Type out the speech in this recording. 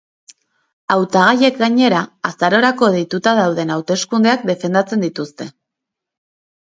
Hautagaiek gainera, azarorako deituta dauden hauteskundeak defendatzen dituzte.